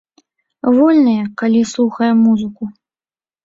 Вольныя, калі слухаем музыку.